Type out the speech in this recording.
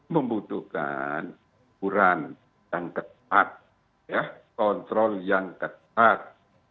membutuhkan ukuran yang ketat kontrol yang ketat